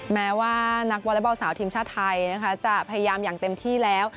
แม้ว่านักวอเล็กบอลสาวทีมชาติไทยนะคะจะพยายามอย่างเต็มที่แล้ว